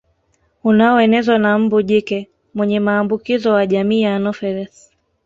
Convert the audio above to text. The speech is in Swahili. Unaoenezwa na mbu jike mwenye maambukizo wa jamii ya anopheles